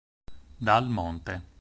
Dal Monte